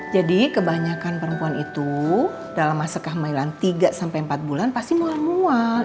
jadi kebanyakan perempuan itu dalam masakah mailan tiga sampai empat bulan pasti mual mual